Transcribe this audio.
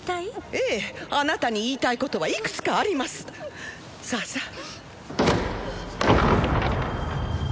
ええあなたに言いたいことはいくつかありますさあさあ